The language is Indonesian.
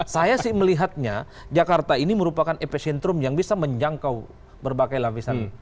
saya sih melihatnya jakarta ini merupakan epicentrum yang bisa menjangkau berbagai lapisan